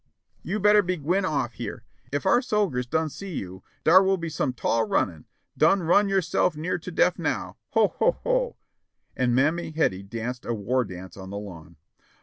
"You better be gwine off here. Ef our sogers done see you dar will be some tall runnin' ; dun run yourself near to def now. Ho, ho, ho!" and Mammy Hettie danced a war dance on the lawn.